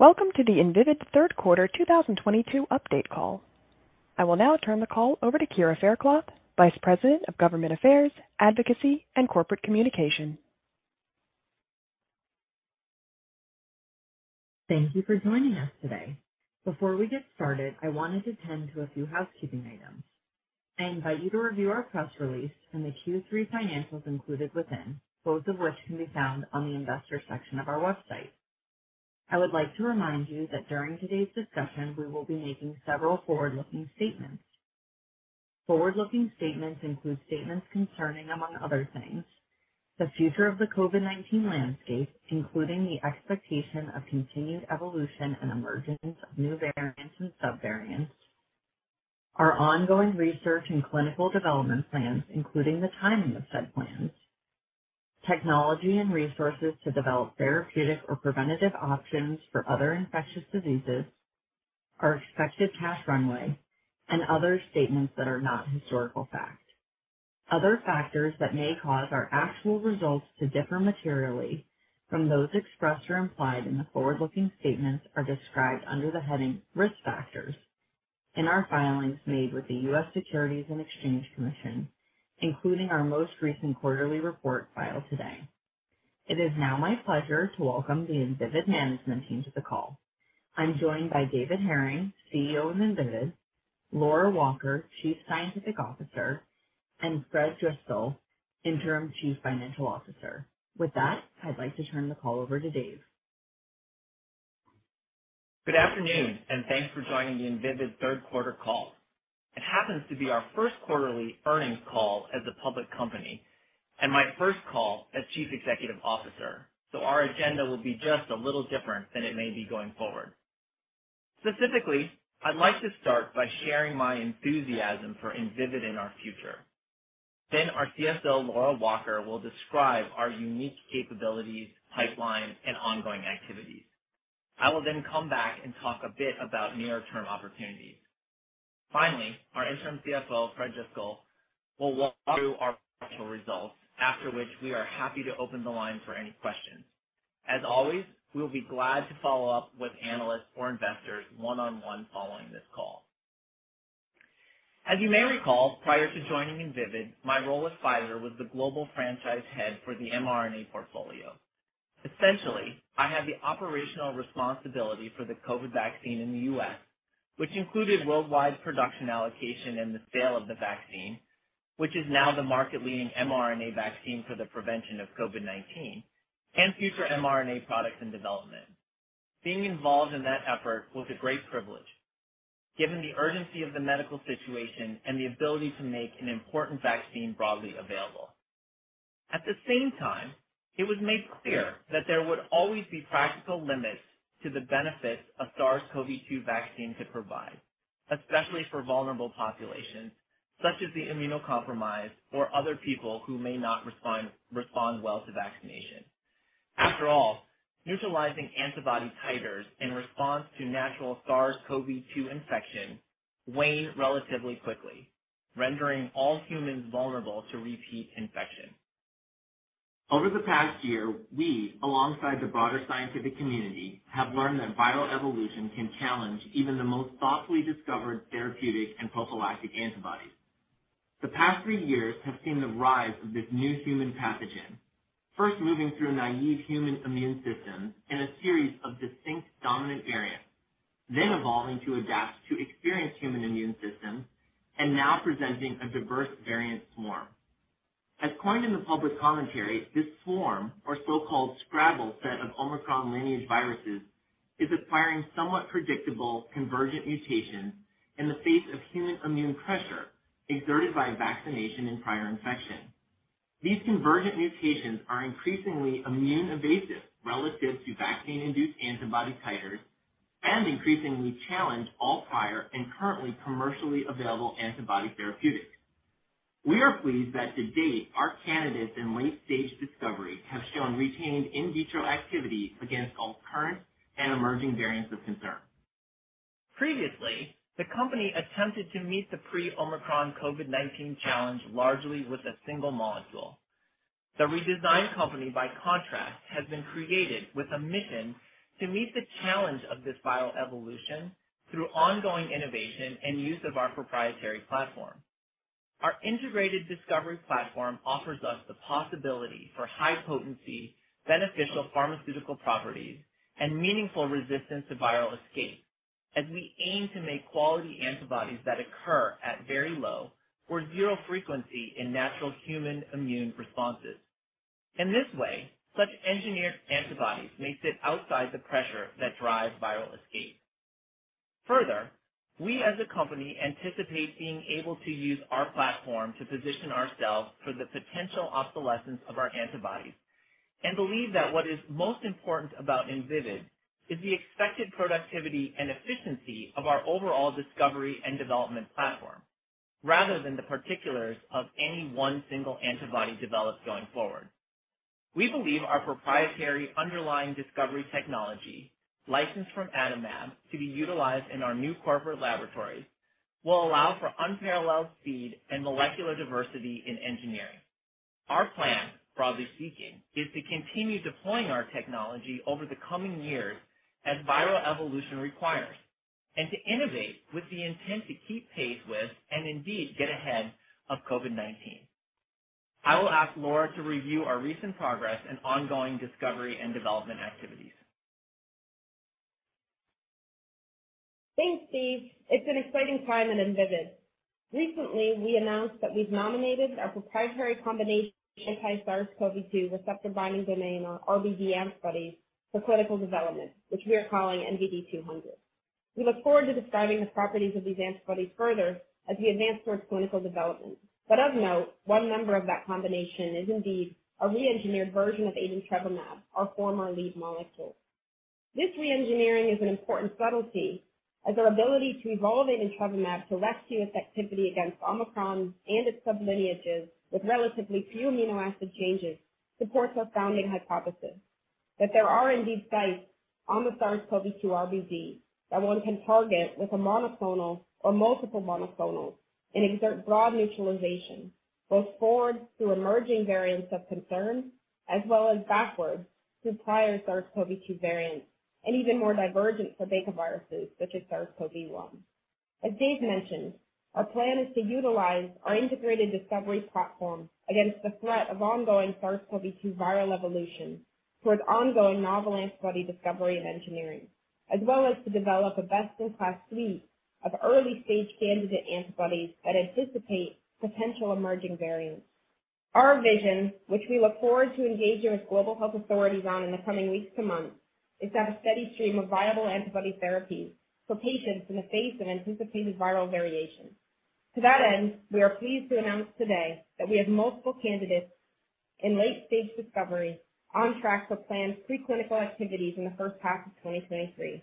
Welcome to the Invivyd Third Quarter 2022 Update Call. I will now turn the call over to Kyra Faircloth, Vice President of Government Affairs, Advocacy, and Corporate Communication. Thank you for joining us today. Before we get started, I wanted to tend to a few housekeeping items. I invite you to review our press release and the Q3 financials included within, both of which can be found on the investor section of our website. I would like to remind you that during today's discussion, we will be making several forward-looking statements. Forward-looking statements include statements concerning, among other things, the future of the COVID-19 landscape, including the expectation of continued evolution and emergence of new variants and subvariants, our ongoing research and clinical development plans, including the timing of said plans, technology and resources to develop therapeutic or preventative options for other infectious diseases, our expected cash runway, and other statements that are not historical fact. Other factors that may cause our actual results to differ materially from those expressed or implied in the forward-looking statements are described under the heading Risk Factors in our filings made with the U.S. Securities and Exchange Commission, including our most recent quarterly report filed today. It is now my pleasure to welcome the Invivyd management team to the call. I'm joined by David Hering, CEO of Invivyd, Laura Walker, Chief Scientific Officer, and Fred Driscoll, Interim Chief Financial Officer. With that, I'd like to turn the call over to Dave. Good afternoon, and thanks for joining the Invivyd third quarter call. It happens to be our first quarterly earnings call as a public company and my first call as Chief Executive Officer, so our agenda will be just a little different than it may be going forward. Specifically, I'd like to start by sharing my enthusiasm for Invivyd and our future. Then our CSO, Laura Walker, will describe our unique capabilities, pipeline, and ongoing activities. I will then come back and talk a bit about near-term opportunities. Finally, our interim CFO, Fred Driscoll, will walk through our financial results, after which we are happy to open the line for any questions. As always, we'll be glad to follow up with analysts or investors one-on-one following this call. As you may recall, prior to joining Invivyd, my role at Pfizer was the global franchise head for the mRNA portfolio. Essentially, I had the operational responsibility for the COVID vaccine in the U.S, which included worldwide production allocation and the sale of the vaccine, which is now the market-leading mRNA vaccine for the prevention of COVID-19 and future mRNA products in development. Being involved in that effort was a great privilege, given the urgency of the medical situation and the ability to make an important vaccine broadly available. At the same time, it was made clear that there would always be practical limits to the benefits a SARS-CoV-2 vaccine could provide, especially for vulnerable populations such as the immunocompromised or other people who may not respond well to vaccination. After all, neutralizing antibody titers in response to natural SARS-CoV-2 infection wane relatively quickly, rendering all humans vulnerable to repeat infection. Over the past year, we, alongside the broader scientific community, have learned that viral evolution can challenge even the most thoughtfully discovered therapeutic and prophylactic antibodies. The past three years have seen the rise of this new human pathogen, first moving through naive human immune systems in a series of distinct dominant variants, then evolving to adapt to experienced human immune systems, and now presenting a diverse variant swarm. As coined in the public commentary, this swarm or so-called Scrabble set of Omicron-lineage viruses is acquiring somewhat predictable convergent mutations in the face of human immune pressure exerted by vaccination and prior infection. These convergent mutations are increasingly immune-evasive relative to vaccine-induced antibody titers and increasingly challenge all prior and currently commercially available antibody therapeutics. We are pleased that to date, our candidates in late-stage discovery have shown retained In Vitro activity against all current and emerging variants of concern. Previously, the company attempted to meet the pre-Omicron COVID-19 challenge largely with a single molecule. The redesigned company by contrast, has been created with a mission to meet the challenge of this viral evolution through ongoing innovation and use of our proprietary platform. Our Integrated Discovery Platform offers us the possibility for high-potency, beneficial pharmaceutical properties, and meaningful resistance to Viral Escape as we aim to make quality antibodies that occur at very low or zero frequency in natural human immune responses. In this way, such engineered antibodies may sit outside the pressure that drives Viral Escape. Further, we as a company anticipate being able to use our platform to position ourselves for the potential obsolescence of our antibodies and believe that what is most important about Invivyd is the expected productivity and efficiency of our overall discovery and development platform, rather than the particulars of any one single antibody developed going forward. We believe our proprietary underlying discovery technology licensed from Adimab to be utilized in our new corporate laboratories will allow for unparalleled speed and molecular diversity in engineering. Our plan, broadly speaking, is to continue deploying our technology over the coming years as viral evolution requires, and to innovate with the intent to keep pace with and indeed get ahead of COVID-19. I will ask Laura to review our recent progress and ongoing discovery and development activities. Thanks, Dave. It's an exciting time at Invivyd. Recently, we announced that we've nominated our proprietary combination anti-SARS-CoV-2 receptor binding domain or RBD antibodies for clinical development, which we are calling NVD200. We look forward to describing the properties of these antibodies further as we advance towards clinical development. Of note, one member of that combination is indeed a re-engineered version of adintrevimab, our former lead molecule. This re-engineering is an important subtlety as our ability to evolve adintrevimab to rescue its activity against Omicron and its sub-lineages with relatively few amino acid changes supports our founding hypothesis that there are indeed sites on the SARS-CoV-2 RBD that one can target with a monoclonal or multiple monoclonals and exert broad neutralization both forward through emerging variants of concern as well as backwards through prior SARS-CoV-2 variants and even more divergent Betacoronaviruses such as SARS-CoV-1. As Dave mentioned, our plan is to utilize our Integrated Discovery Platform against the threat of ongoing SARS-CoV-2 viral evolution towards ongoing novel antibody discovery and engineering, as well as to develop a best-in-class suite of early-stage candidate antibodies that anticipate potential emerging variants. Our vision, which we look forward to engaging with global health authorities on in the coming weeks to months, is to have a steady stream of viable antibody therapies for patients in the face of anticipated viral variations. To that end, we are pleased to announce today that we have multiple candidates in late-stage discovery on track for planned preclinical activities in the first half of 2023.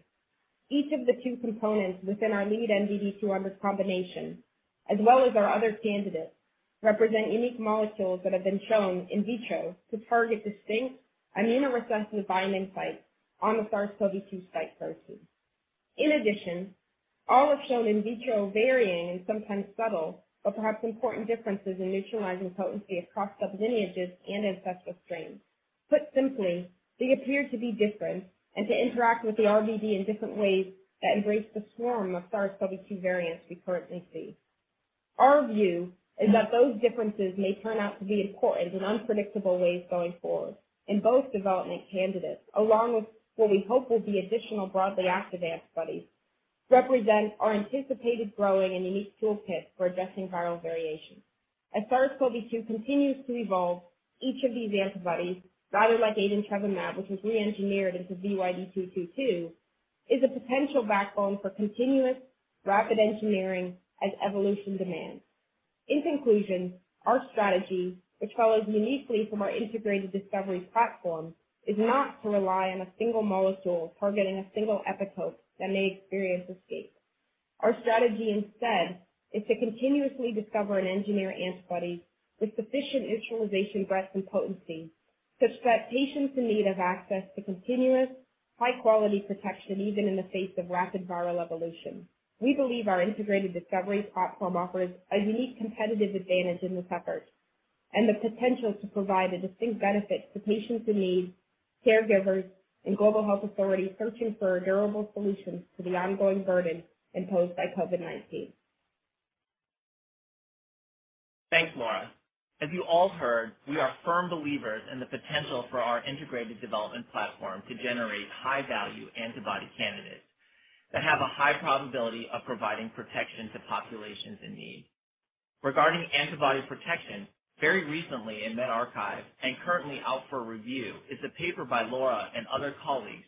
Each of the two components within our lead NVD200 combination, as well as our other candidates, represent unique molecules that have been shown In Vitro to target distinct immunoresistant binding sites on the SARS-CoV-2 spike protein. In addition, all have shown In Vitro varying and sometimes subtle, but perhaps important differences in neutralizing potency across sub-lineages and ancestral strains. Put simply, they appear to be different and to interact with the RBD in different ways that embrace the swarm of SARS-CoV-2 variants we currently see. Our view is that those differences may turn out to be important in unpredictable ways going forward. Both development candidates, along with what we hope will be additional broadly active antibodies, represent our anticipated growing and unique toolkit for addressing viral variation. As SARS-CoV-2 continues to evolve, each of these antibodies, rather like adintrevimab which was re-engineered into VYD222, is a potential backbone for continuous rapid engineering as evolution demands. In conclusion, our strategy, which follows uniquely from our Integrated Discovery Platform, is not to rely on a single molecule targeting a single epitope that may experience escape. Our strategy instead is to continuously discover and engineer antibodies with sufficient neutralization breadth and potency such that patients in need have access to continuous high-quality protection, even in the face of rapid viral evolution. We believe our Integrated Discovery Platform offers a unique competitive advantage in this effort and the potential to provide a distinct benefit to patients in need, caregivers, and global health authorities searching for durable solutions to the ongoing burden imposed by COVID-19. Thanks, Laura. As you all heard, we are firm believers in the potential for our integrated development platform to generate high-value antibody candidates that have a high probability of providing protection to populations in need. Regarding antibody protection, very recently in medRxiv and currently out for review is a paper by Laura and other colleagues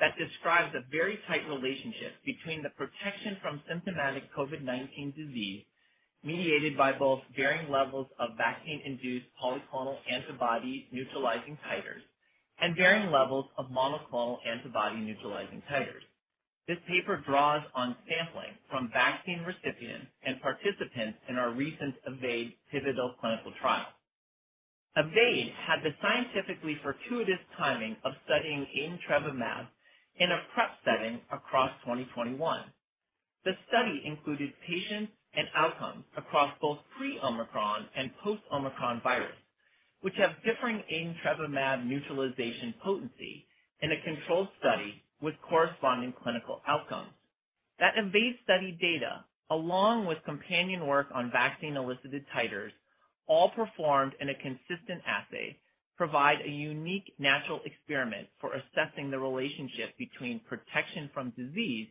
that describes the very tight relationship between the protection from symptomatic COVID-19 disease mediated by both varying levels of vaccine-induced polyclonal antibody neutralizing titers and varying levels of monoclonal antibody neutralizing titers. This paper draws on sampling from vaccine recipients and participants in our recent EVADE pivotal clinical trial. EVADE had the scientifically fortuitous timing of studying adintrevimab in a PrEP setting across 2021. The study included patients and outcomes across both pre-Omicron and post-Omicron virus, which have differing adintrevimab neutralization potency in a controlled study with corresponding clinical outcomes. That EVADE study data, along with companion work on vaccine-elicited titers, all performed in a consistent assay, provide a unique natural experiment for assessing the relationship between protection from disease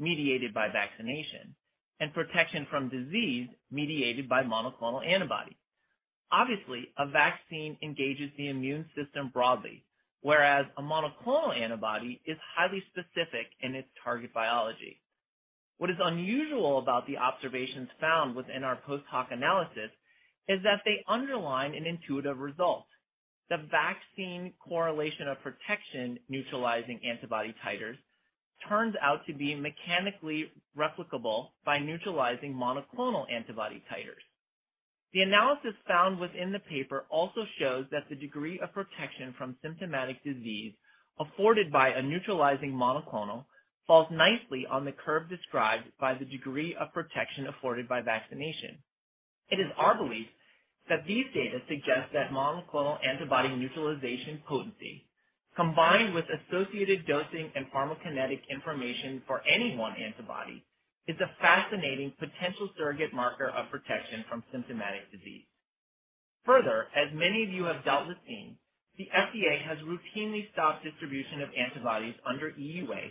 mediated by vaccination and protection from disease mediated by Monoclonal Antibodies. Obviously, a vaccine engages the immune system broadly, whereas a Monoclonal Antibody is highly specific in its target biology. What is unusual about the observations found within our post hoc analysis is that they underline an intuitive result. The vaccine correlation of protection neutralizing antibody titers turns out to be mechanically replicable by neutralizing monoclonal antibody titers. The analysis found within the paper also shows that the degree of protection from symptomatic disease afforded by a neutralizing monoclonal falls nicely on the curve described by the degree of protection afforded by vaccination. It is our belief that these data suggest that monoclonal antibody neutralization potency, combined with associated dosing and pharmacokinetic information for any one antibody, is a fascinating potential Surrogate Marker of protection from symptomatic disease. Further, as many of you have dealt with seeing, the FDA has routinely stopped distribution of antibodies under EUA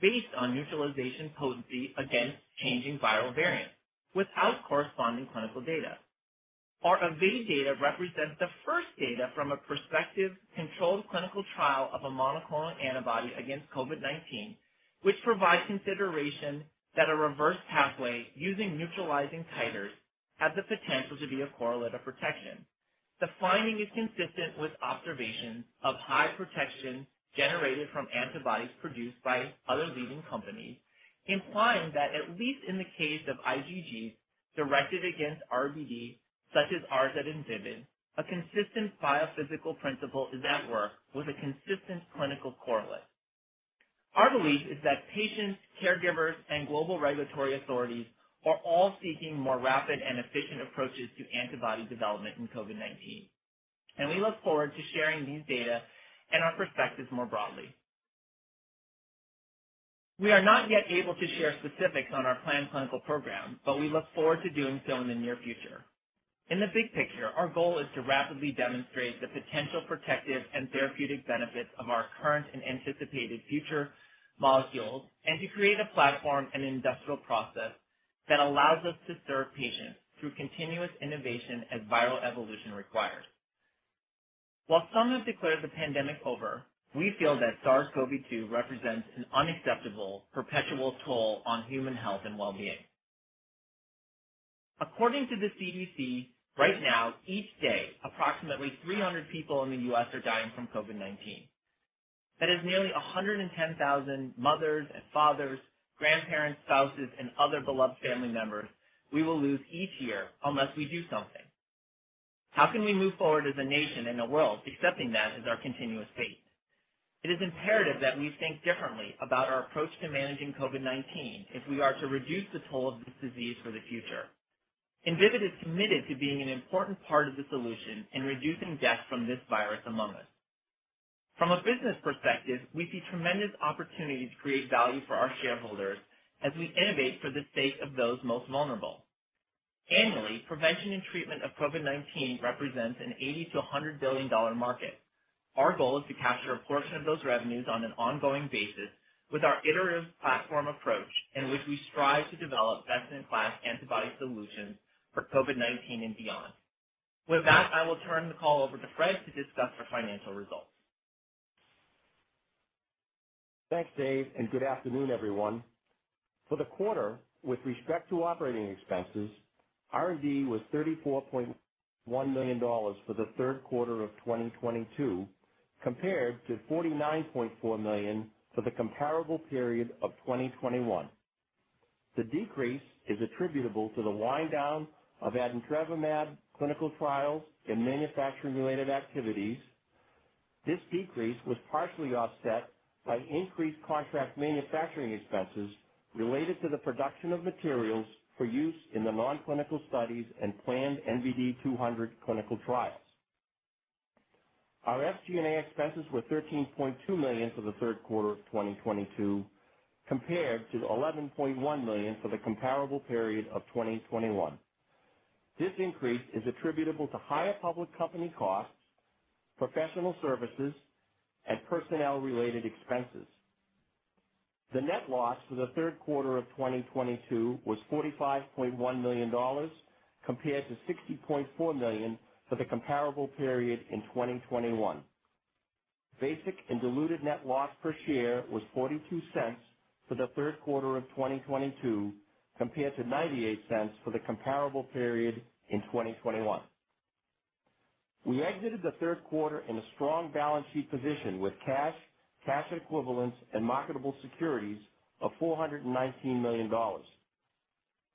based on neutralization potency against changing viral variants without corresponding clinical data. Our EVADE data represents the first data from a prospective controlled clinical trial of a monoclonal antibody against COVID-19, which provides consideration that a reverse pathway using neutralizing titers has the potential to be a correlate of protection. The finding is consistent with observations of high protection generated from antibodies produced by other leading companies, implying that at least in the case of IgGs directed against RBD, such as ours at Invivyd, a consistent biophysical principle is at work with a consistent clinical correlate. Our belief is that patients, caregivers, and global regulatory authorities are all seeking more rapid and efficient approaches to antibody development in COVID-19, and we look forward to sharing these data and our perspectives more broadly. We are not yet able to share specifics on our planned clinical program, but we look forward to doing so in the near future. In the big picture, our goal is to rapidly demonstrate the potential protective and therapeutic benefits of our current and anticipated future molecules and to create a platform and industrial process that allows us to serve patients through continuous innovation as viral evolution requires. While some have declared the pandemic over, we feel that SARS-CoV-2 represents an unacceptable perpetual toll on human health and well-being. According to the CDC, right now, each day, approximately 300 people in the U.S. are dying from COVID-19. That is nearly 110,000 mothers and fathers, grandparents, spouses, and other beloved family members we will lose each year unless we do something. How can we move forward as a nation and a world accepting that as our continuous fate? It is imperative that we think differently about our approach to managing COVID-19 if we are to reduce the toll of this disease for the future. Invivyd is committed to being an important part of the solution in reducing deaths from this virus among us. From a business perspective, we see tremendous opportunity to create value for our shareholders as we innovate for the sake of those most vulnerable. Annually, prevention and treatment of COVID-19 represents an $80 billion-$100 billion market. Our goal is to capture a portion of those revenues on an ongoing basis with our iterative platform approach in which we strive to develop best-in-class antibody solutions for COVID-19 and beyond. With that, I will turn the call over to Fred to discuss our financial results. Thanks, Dave, and good afternoon, everyone. For the quarter, with respect to operating expenses, R&D was $34.1 million for the third quarter of 2022 compared to $49.4 million for the comparable period of 2021. The decrease is attributable to the wind down of adintrevimab clinical trials and manufacturing-related activities. This decrease was partially offset by increased contract manufacturing expenses related to the production of materials for use in the non-clinical studies and planned NVD200 clinical trials. Our SG&A expenses were $13.2 million for the third quarter of 2022, compared to $11.1 million for the comparable period of 2021. This increase is attributable to higher public company costs, professional services, and personnel-related expenses. The net loss for the third quarter of 2022 was $45.1 million, compared to $60.4 million for the comparable period in 2021. Basic and diluted net loss per share was $0.42 for the third quarter of 2022, compared to $0.98 for the comparable period in 2021. We exited the third quarter in a strong balance sheet position with cash equivalents, and marketable securities of $419 million.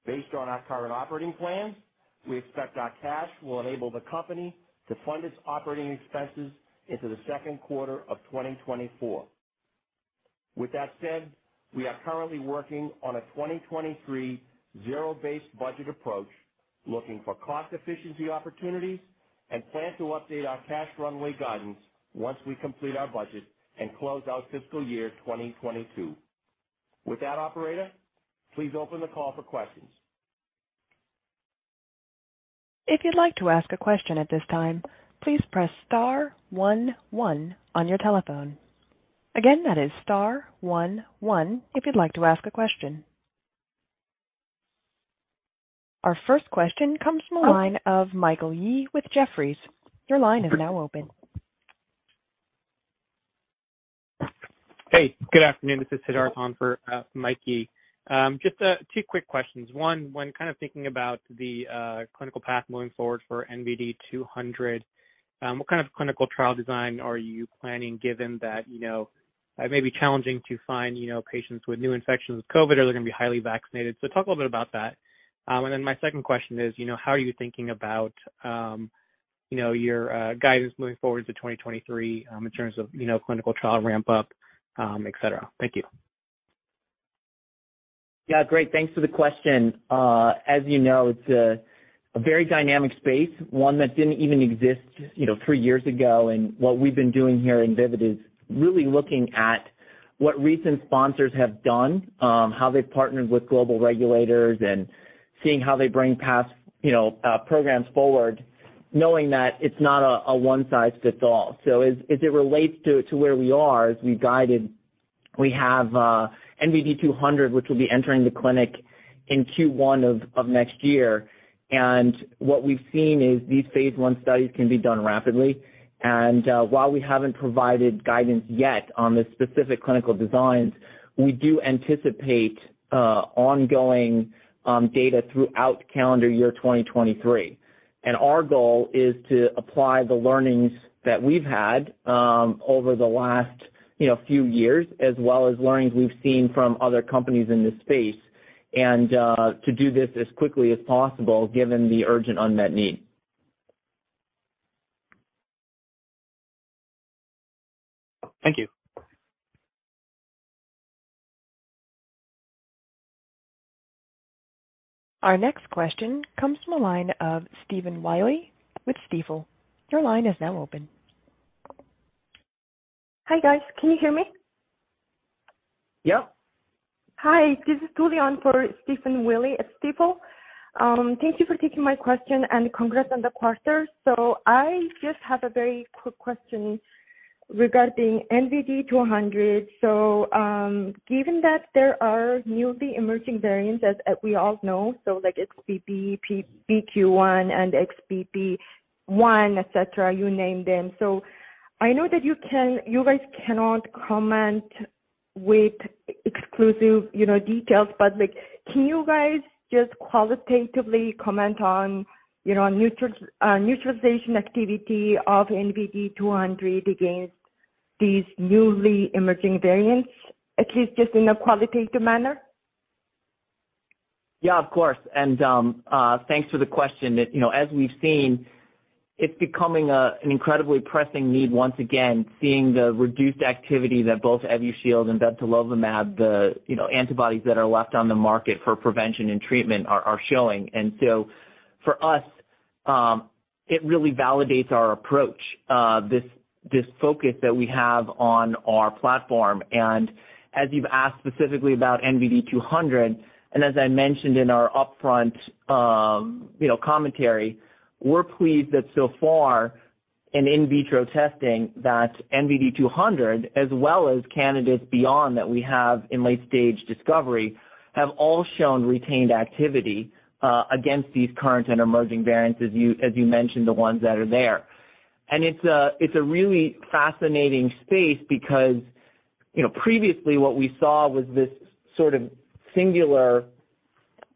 Based on our current operating plans, we expect our cash will enable the company to fund its operating expenses into the second quarter of 2024. With that said, we are currently working on a 2023 zero-based budget approach, looking for cost efficiency opportunities and plan to update our cash runway guidance once we complete our budget and close out fiscal year 2022. With that, operator, please open the call for questions. If you'd like to ask a question at this time, please press star one one on your telephone. Again, that is star one one if you'd like to ask a question. Our first question comes from the line of Michael Yee with Jefferies. Your line is now open. Hey, good afternoon. This is Sidharth on for Mikey. Just two quick questions. One, when kind of thinking about the clinical path moving forward for NVD200, what kind of clinical trial design are you planning given that, you know, it may be challenging to find, you know, patients with new infections with COVID or they're gonna be highly vaccinated? Talk a little bit about that. My second question is, you know, how are you thinking about, you know, your guidance moving forward to 2023, in terms of, you know, clinical trial ramp up, et cetera? Thank you. Yeah, great. Thanks for the question. As you know, it's a very dynamic space, one that didn't even exist, you know, three years ago. What we've been doing here in Invivyd is really looking at what recent sponsors have done, how they've partnered with global regulators and seeing how they bring past, you know, programs forward, knowing that it's not a one-size-fits-all. As it relates to where we are, as we guided, we have NVD200, which will be entering the clinic in Q1 of next year. What we've seen is these phase one studies can be done rapidly. While we haven't provided guidance yet on the specific clinical designs, we do anticipate ongoing data throughout calendar year 2023. Our goal is to apply the learnings that we've had over the last, you know, few years, as well as learnings we've seen from other companies in this space and to do this as quickly as possible given the urgent unmet need. Thank you. Our next question comes from the line of Stephen Willey with Stifel. Your line is now open. Hi, guys. Can you hear me? Yeah. Hi, this is Julian for Stephen Willey at Stifel. Thank you for taking my question and congrats on the quarter. I just have a very quick question regarding NVD200. Given that there are newly emerging variants as we all know, like XBB, BQ.1 and XBB.1, et cetera, you name them. I know that you guys cannot comment with exclusive, you know, details, but, like, can you guys just qualitatively comment on, you know, neutralization activity of NVD200 against these newly emerging variants, at least just in a qualitative manner? Yeah, of course. Thanks for the question. You know, as we've seen, it's becoming an incredibly pressing need once again, seeing the reduced activity that both Evusheld and bebtelovimab, you know, antibodies that are left on the market for prevention and treatment are showing. For us, it really validates our approach, this focus that we have on our platform. As you've asked specifically about NVD200, and as I mentioned in our upfront, you know, commentary, we're pleased that so far in InVitro testing that NVD200 as well as candidates beyond that we have in late stage discovery, have all shown retained activity against these current and emerging variants, as you mentioned, the ones that are there. It's a really fascinating space because, you know, previously what we saw was this sort of singular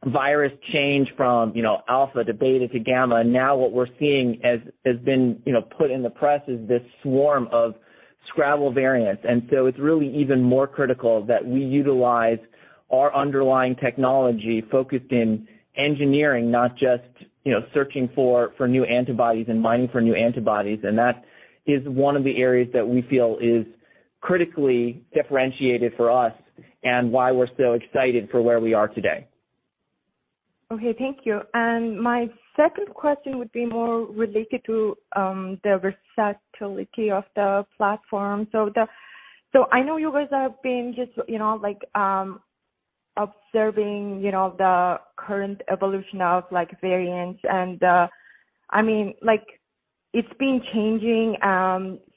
virus change from, you know, Alpha to Beta to Gamma. Now what we're seeing, as has been, you know, put in the press, is this swarm of subvariants. It's really even more critical that we utilize our underlying technology focused on engineering, not just, you know, searching for new antibodies and mining for new antibodies. That is one of the areas that we feel is critically differentiated for us and why we're so excited for where we are today. Okay. Thank you. My second question would be more related to the versatility of the platform. So I know you guys have been just, you know, like, observing, you know, the current evolution of like, variants and, I mean like it's been changing,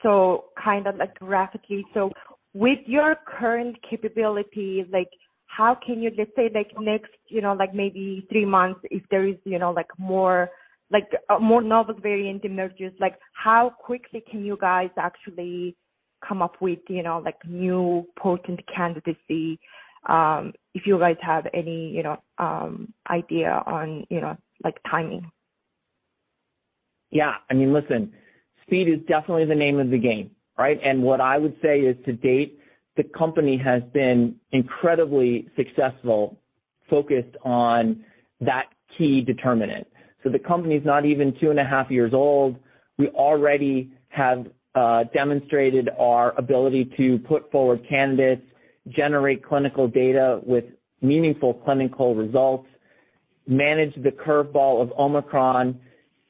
so kind of like rapidly. With your current capabilities, like how can you let's say like next, you know, like maybe three months if there is, you know, like more like a more novel variant emerges, like how quickly can you guys actually come up with, you know, like new potent candidate, if you guys have any, you know, idea on, you know, like timing? Yeah, I mean, listen, speed is definitely the name of the game, right? What I would say is to date, the company has been incredibly successful, focused on that key determinant. The company's not even two and a half years old. We already have demonstrated our ability to put forward candidates, generate clinical data with meaningful clinical results, manage the curveball of Omicron,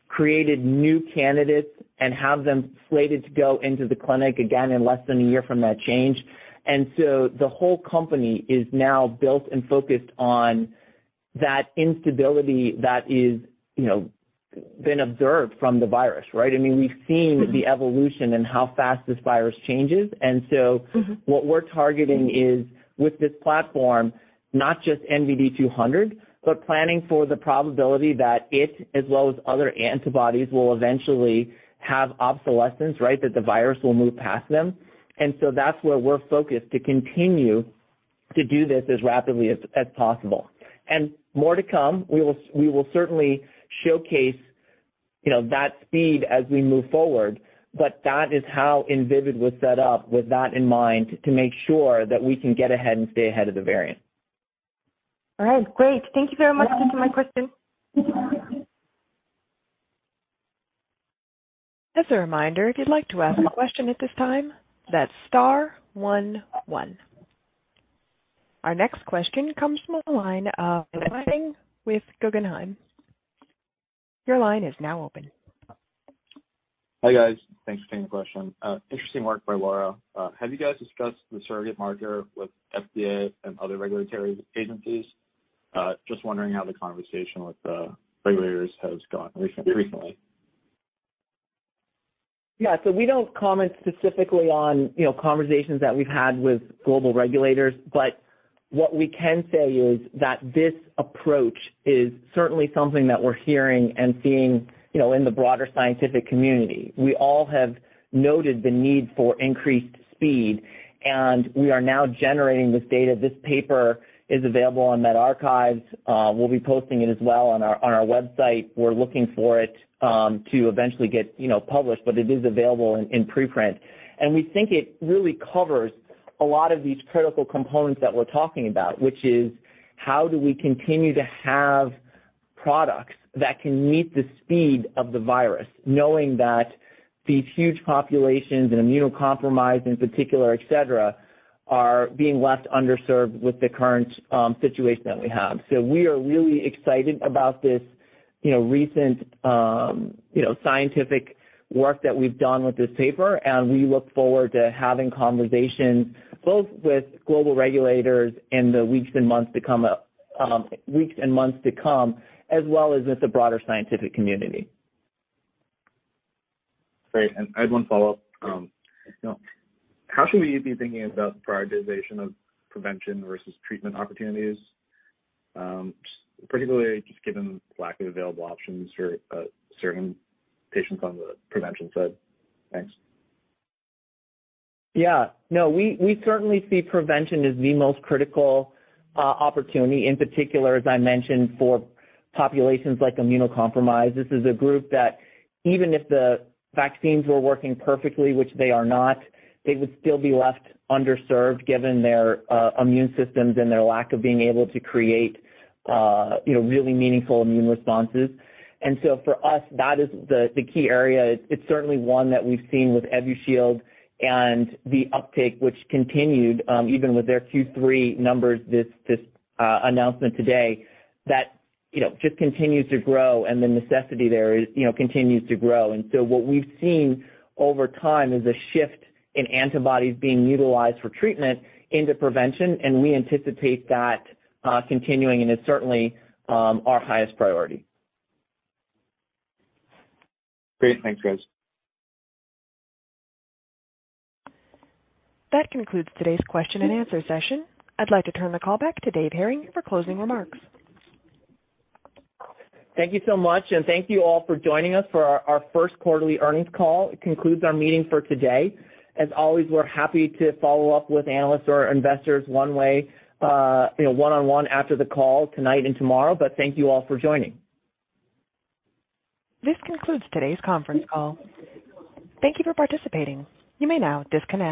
created new candidates and have them slated to go into the clinic again in less than a year from that change. The whole company is now built and focused on that instability that is, you know, been observed from the virus, right? I mean, we've seen the evolution and how fast this virus changes. What we're targeting is with this platform, not just NVD200, but planning for the probability that it, as well as other antibodies will eventually have obsolescence, right? That the virus will move past them. That's where we're focused to continue to do this as rapidly as possible. More to come. We will certainly showcase, you know, that speed as we move forward, but that is how Invivyd was set up with that in mind, to make sure that we can get ahead and stay ahead of the variant. All right, great. Thank you very much for taking my question. As a reminder, if you'd like to ask a question at this time, that's star one one. Our next question comes from the line of with Guggenheim. Your line is now open. Hi, guys. Thanks for taking the question. Interesting work by Laura. Have you guys discussed the Surrogate Marker with FDA and other regulatory agencies? Just wondering how the conversation with the regulators has gone recently. Yeah. We don't comment specifically on, you know, conversations that we've had with global regulators, but what we can say is that this approach is certainly something that we're hearing and seeing, you know, in the broader scientific community. We all have noted the need for increased speed, and we are now generating this data. This paper is available on medRxiv. We'll be posting it as well on our website. We're looking for it to eventually get, you know, published, but it is available in preprint. We think it really covers a lot of these critical components that we're talking about, which is how do we continue to have products that can meet the speed of the virus, knowing that these huge populations and immunocompromised in particular, et cetera, are being left underserved with the current situation that we have? We are really excited about this, you know, recent scientific work that we've done with this paper, and we look forward to having conversations both with global regulators in the weeks and months to come, as well as with the broader scientific community. Great. I had one follow-up. You know, how should we be thinking about prioritization of prevention versus treatment opportunities, particularly just given lack of available options for certain patients on the prevention side? Thanks. Yeah. No, we certainly see prevention as the most critical opportunity, in particular, as I mentioned, for populations like immunocompromised. This is a group that even if the vaccines were working perfectly, which they are not, they would still be left underserved given their immune systems and their lack of being able to create you know, really meaningful immune responses. For us, that is the key area. It's certainly one that we've seen with Evusheld and the uptake which continued even with their Q3 numbers this announcement today, that you know, just continues to grow and the necessity there is you know, continues to grow. What we've seen over time is a shift in antibodies being utilized for treatment into prevention, and we anticipate that continuing, and it's certainly our highest priority. Great. Thanks, guys. That concludes today's question and answer session. I'd like to turn the call back to Dave Hering for closing remarks. Thank you so much, and thank you all for joining us for our first quarterly earnings call. It concludes our meeting for today. As always, we're happy to follow up with analysts or investors one way, you know, one-on-one after the call tonight and tomorrow. Thank you all for joining. This concludes today's conference call. Thank you for participating. You may now disconnect.